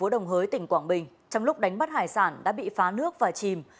đồng hới tỉnh quảng bình trong lúc đánh bắt hải sản đã bị phá nước và chìm